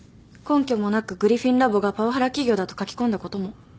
根拠もなくグリフィン・ラボがパワハラ企業だと書き込んだことも。